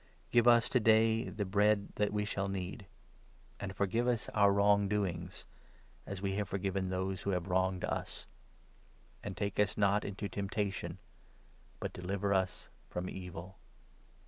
Give us to day 1 1 the bread that we shall need ; And forgive us our wrong doings, 12 as we have forgiven those who have wronged us ; And take us not into temptation, 13 but deliver us from Evil.'